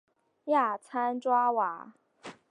亚参爪哇。